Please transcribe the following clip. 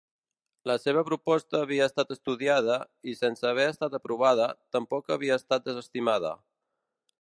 La seva proposta havia estat estudiada i, sense haver estat aprovada, tampoc havia estat desestimada.